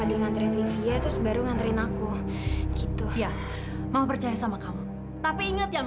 dan mama tidak akan menganggap kamu sebagai anak mama sendiri